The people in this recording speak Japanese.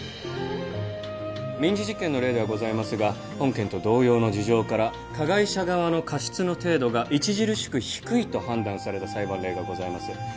民事事件の例ではございますが本件と同様の事情から加害者側の過失の程度が著しく低いと判断された裁判例がございます